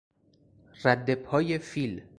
ردپای فیل